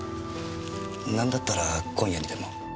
なんだったら今夜にでも。